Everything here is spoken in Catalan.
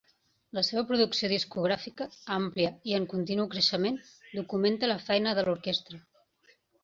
La seva producció discogràfica, àmplia i en continu creixement, documenta la feina de l'Orquestra.